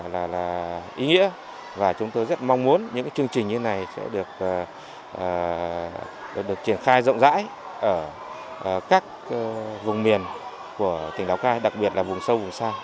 là ý nghĩa và chúng tôi rất mong muốn những chương trình như này sẽ được triển khai rộng rãi ở các vùng miền của tỉnh lào cai đặc biệt là vùng sâu vùng xa